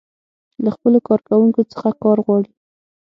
له خپلو کارکوونکو څخه کار غواړي.